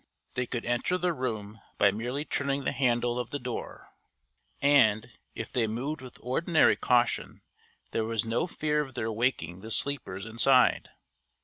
They could enter the room by merely turning the handle of the door; and, if they moved with ordinary caution, there was no fear of their waking the sleepers inside.